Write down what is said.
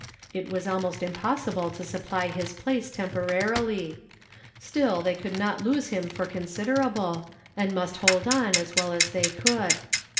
It was almost impossible to supply his place temporarily ; still they would not lose him for considerable, and must hold on as well as they could.